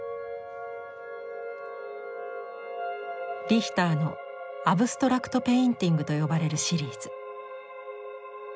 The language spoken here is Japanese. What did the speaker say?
リヒターの「アブストラクト・ペインティング」と呼ばれるシリーズ。